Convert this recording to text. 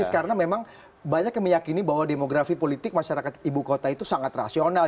karena memang banyak yang meyakini bahwa demografi politik masyarakat ibu kota itu sangat rasional